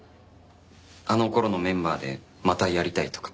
あの頃のメンバーでまたやりたいとか。